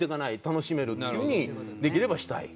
楽しめるっていう風にできればしたい。